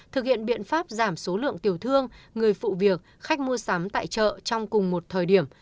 thực hiện biện pháp giảm số lượng tiểu thương người phụ việc khách mua sắm tại chợ trong cùng một thời điểm